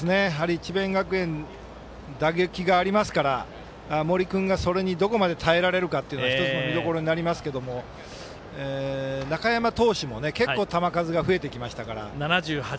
智弁学園、打撃がありますから森君がそれにどこまで耐えられるかは１つの見どころになりますけど中山投手も結構球数が増えてきましたから。